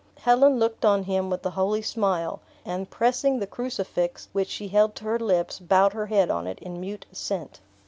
'" Helen looked on him with a holy smile; and pressing the crucifix which she held to her lips, bowed her head on it in mute assent.